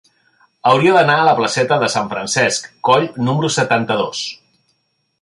Hauria d'anar a la placeta de Sant Francesc Coll número setanta-dos.